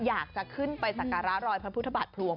อยากจะขึ้นไปสักการะรอยพระพุทธบาทพลวง